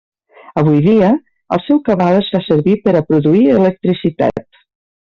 Avui dia, el seu cabal es fa servir per a produir electricitat.